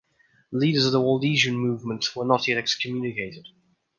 The leaders of the Waldensian movement were not yet excommunicated.